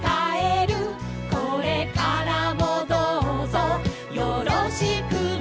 「これからもどうぞよろしくね」